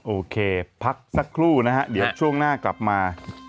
โอเคพักสักครู่นะฮะเดี๋ยวช่วงหน้ากลับมา